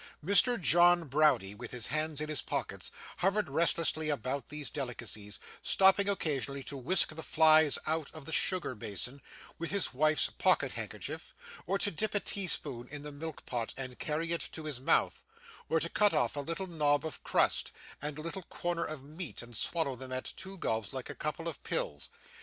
Mr. John Browdie, with his hands in his pockets, hovered restlessly about these delicacies, stopping occasionally to whisk the flies out of the sugar basin with his wife's pocket handkerchief, or to dip a teaspoon in the milk pot and carry it to his mouth, or to cut off a little knob of crust, and a little corner of meat, and swallow them at two gulps like a couple of pills.